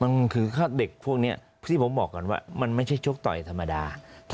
มันคือถ้าเด็กพวกนี้ที่ผมบอกก่อนว่ามันไม่ใช่ชกต่อยธรรมดา